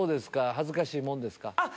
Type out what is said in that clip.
恥ずかしいもんですか？